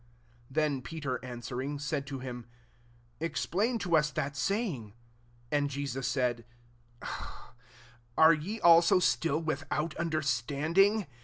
15 Then Peter answer ing, said to him, " Explain to us that saying." 16 And Jesus said, " Are ye also still without understanding?